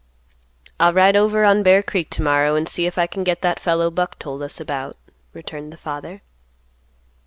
"I'll ride over on Bear Creek to morrow, and see if I can get that fellow Buck told us about," returned the father.